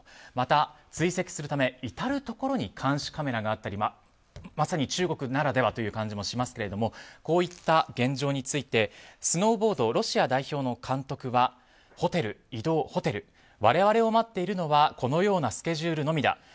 また、追跡するため至るところに監視カメラがあったりまさに中国ならではですがこういった現状についてスノーボードロシア代表の監督はホテル、移動、ホテル我々を待っているのはこのようなスケジュールのみだ。